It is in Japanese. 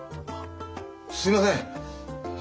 すいません